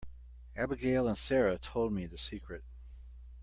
Abigail and Sara told me the secret.